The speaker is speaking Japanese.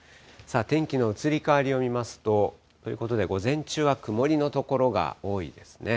天気の移り変わりを見ますと、ということで午前中は曇りの所が多いですね。